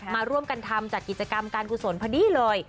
มาร่วมกันทำจัดกิจกรรมการกุศลพอดีเลย